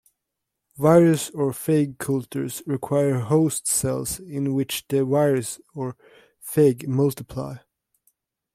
Virus or phage cultures require host cells in which the virus or phage multiply.